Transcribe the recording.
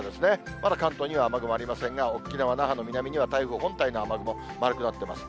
まだ関東には雨雲ありませんが、沖縄・那覇の南には台風本体の雨雲、丸くなってます。